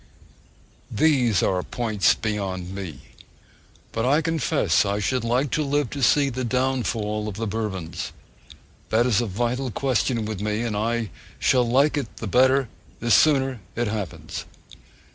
These are points beyond me. But I confess I should like to live to see the downfall of the Bourbons. That is a vital question with me; and I shall like it the better, the sooner it happens!